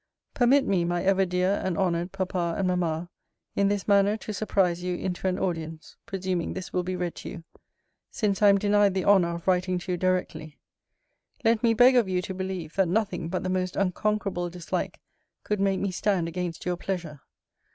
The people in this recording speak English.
Permit me, my ever dear and honoured Papa and Mamma, in this manner to surprise you into an audience, (presuming this will be read to you,) since I am denied the honour of writing to you directly. Let me beg of you to believe, that nothing but the most unconquerable dislike could make me stand against your pleasure.